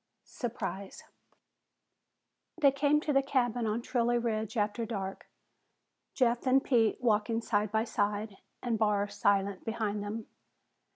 SURPRISE They came to the cabin on Trilley Ridge after dark, Jeff and Pete walking side by side and Barr silent behind them.